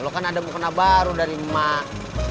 lo kan ada mukena baru dari emak